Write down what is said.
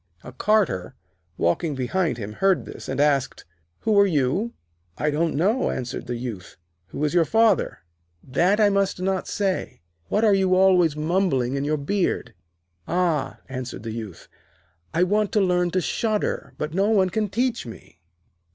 A Carter, walking behind him, heard this, and asked: 'Who are you?' 'I don't know,' answered the Youth. 'Who is your Father?' 'That I must not say.' 'What are you always mumbling in your beard?' 'Ah,' answered the Youth, 'I want to learn to shudder, but no one can teach me.'